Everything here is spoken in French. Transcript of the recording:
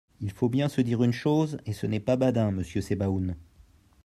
Il faut bien se dire une chose, et ce n’est pas badin, monsieur Sebaoun.